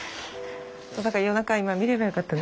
「夜中今見ればよかったな。